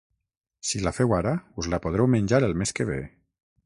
Si la feu ara, us la podreu menjar el mes que ve.